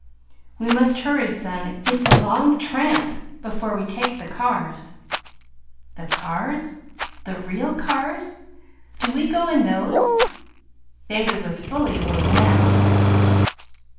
"We must hurry, son. It's a long tramp before we take the cars." "The cars the real cars? Do we go in those?" David was fully awake now.